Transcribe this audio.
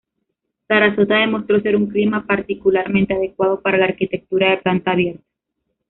Sarasota demostró ser un clima particularmente adecuado para la arquitectura de planta abierta.